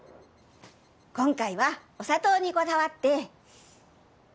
今回はお砂糖にこだわって。